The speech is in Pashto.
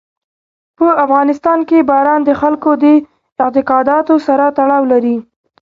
په افغانستان کې باران د خلکو د اعتقاداتو سره تړاو لري.